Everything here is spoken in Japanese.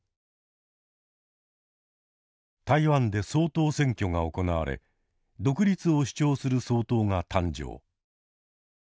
台湾で総統選挙が行われ独立を主張する総統が誕生。